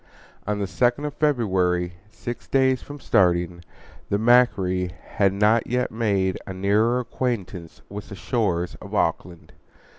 On the 2d of February, six days from starting, the MACQUARIE had not yet made a nearer acquaintance with the shores of Auckland.